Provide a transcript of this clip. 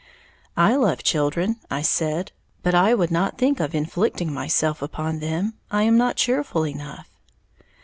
"I love children," I said, "but I would not think of inflicting myself upon them, I am not cheerful enough."